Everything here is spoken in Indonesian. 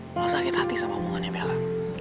kalau sakit hati sama omongannya bella